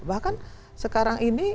bahkan sekarang ini